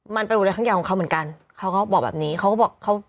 มันเป็นบทเรียนครั้งใหญ่ของเขาเหมือนกันเขาก็บอกแบบนี้เขาก็บอกเขา